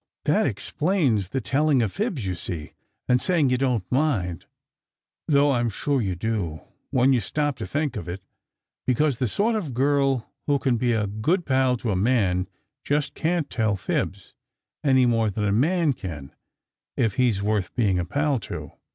"That explains the telling of fibs, you see, and saying you don t mind though I m sure you do, when you stop to think of it; because the sort of girl who can be a good pal to a man just can t tell fibs, any more than the man can if he s worth being a pal to."